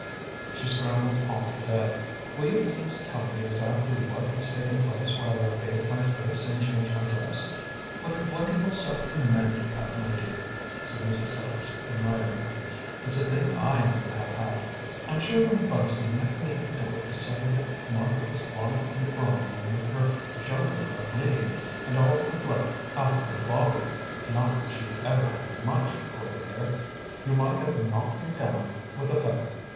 She scrambled off the bed. "Will you please tell me exactly what has taken place while I bathe my face and change my dress?" "What wonderful self command you have, my dear!" said Mrs. Sellars admiringly; "it's a thing I never have had. I'm sure when Bunson met me at the door to say that Martha was lying in the drawing room with her jugular bleeding and all the blood out of her body not that she ever had much, poor dear! you might have knocked me down with a feather.